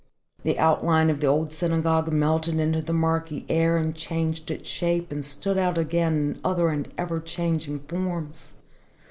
The outline of the old synagogue melted into the murky air and changed its shape, and stood out again in other and ever changing forms.